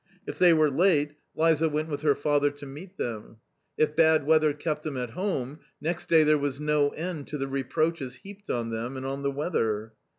If they were late, Liza went with her father to meet them. If bad weather kept them at home, next day there was no end to the reproaches heaped on them and on the weather.